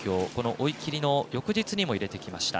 追い切りの翌日にも入れてきました。